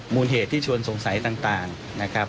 เหตุที่ชวนสงสัยต่างนะครับ